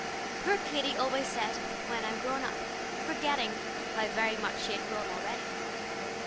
(Poor Katy always said "when I'm grown up," forgetting how very much she had grown already.)